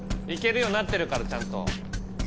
行けるようになってるからちゃんと。